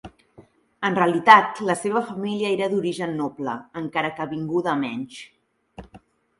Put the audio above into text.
En realitat la seva família era d'origen noble, encara que vinguda a menys.